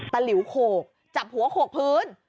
หลิวโขกจับหัวโขกพื้น